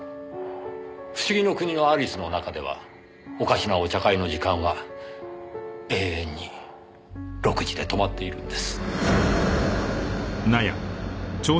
『不思議の国のアリス』の中ではおかしなお茶会の時間は永遠に６時で止まっているんです。